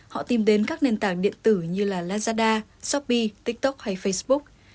họ tìm đến các nền tảng điện tử như là lazada shopee tiktok hay facebook